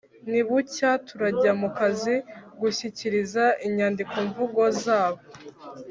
Ni bucya turajya mu kazi gushyikiriza inyandikomvugo zabo